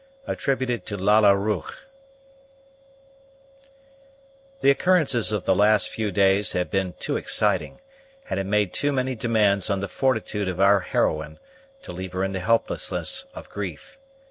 Lalla Rookh. The occurrences of the last few days had been too exciting, and had made too many demands on the fortitude of our heroine, to leave her in the helplessness of grief.